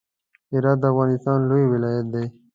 هرات د افغانستان لوی ولایت دی.